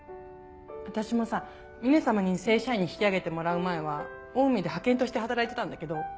私もさ峰様に正社員に引き上げてもらう前はオウミで派遣として働いてたんだけど。